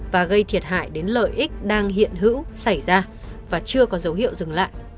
và gây thiệt hại đến lợi ích đang hiện hữu xảy ra và chưa có dấu hiệu dừng lại